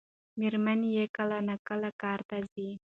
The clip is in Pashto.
مېرمن یې کله ناکله کار ته ځي.